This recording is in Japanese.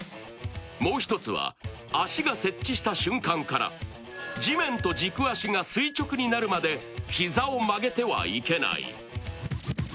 もう一つは、足が接地した瞬間から地面と軸足が垂直になるまで膝を曲げてはいけない。